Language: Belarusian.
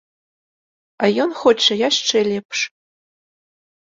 А ён хоча яшчэ лепш.